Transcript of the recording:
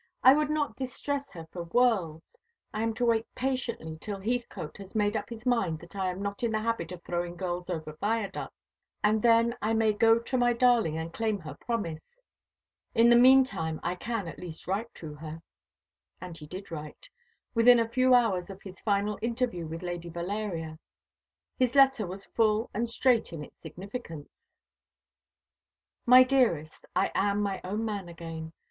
I would not distress her for worlds. I am to wait patiently till Heathcote has made up his mind that I am not in the habit of throwing girls over viaducts; and then I may go to my darling and claim her promise. In the mean time I can at least write to her." And he did write, within a few hours of his final interview with Lady Valeria. His letter was full and straight in its significance. "My dearest, I am my own man again.